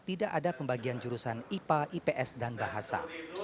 tidak ada pembagian jurusan ipa ips dan bahasa